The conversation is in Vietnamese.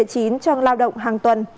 trong lao động hàng tuần